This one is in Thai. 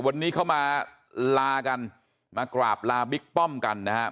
วันนี้เขามาลากันมากราบลาบิ๊กป้อมกันนะครับ